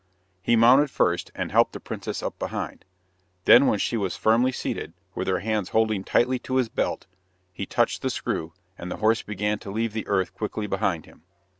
He mounted first and helped the princess up behind; then, when she was firmly seated, with her hands holding tightly to his belt, he touched the screw, and the horse began to leave the earth quickly behind him.